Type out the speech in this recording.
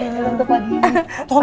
iya bentuk lagi